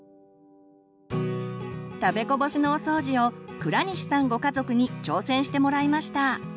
食べこぼしのお掃除を倉西さんご家族に挑戦してもらいました。